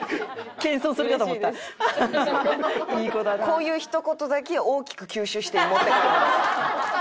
こういうひと言だけ大きく吸収して持って帰るんです。